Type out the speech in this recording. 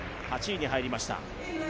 ８位に入りました。